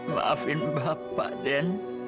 maafin bapak den